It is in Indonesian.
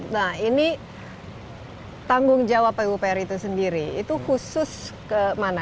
nah ini tanggung jawab pupr itu sendiri itu khusus kemana